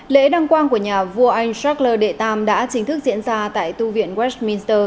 lễ đăng quang của nhà vua anh shackler đệ tam đã chính thức diễn ra tại tu viện westminster